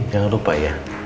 jangan lupa ya